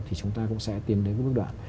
thì chúng ta cũng sẽ tiến đến bước đoạn